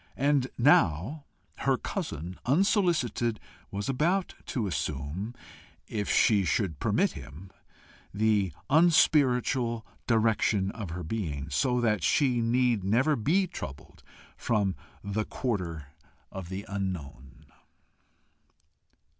And now her cousin, unsolicited, was about to assume, if she should permit him, the unspiritual direction of her being, so that she need never be troubled from the quarter of the unknown.